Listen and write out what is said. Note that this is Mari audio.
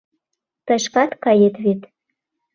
Тый шкат кает вет?